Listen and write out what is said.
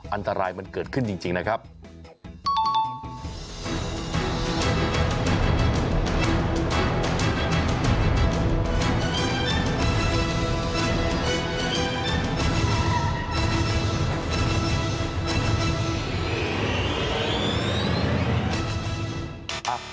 อันตรายมันเกิดขึ้นจริงนะครับ